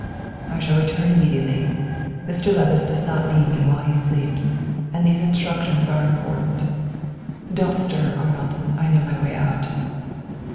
"I shall return immediately. Mr. Levice does not need me while he sleeps, and these instructions are important. Don't stir, Arnold; I know my way out."